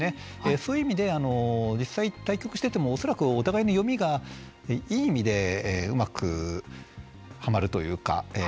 そういう意味で実際対局していても、恐らくお互いに読みが、いい意味でうまくはまるというか。